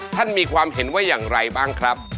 ท่านมีความเห็นว่าอย่างไรบ้างครับ